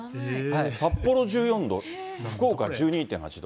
札幌１４度、福岡１２．８度。